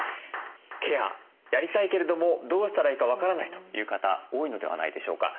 ケアやりたいけれどもどうしたらいいか分からないという方多いのではないでしょうか。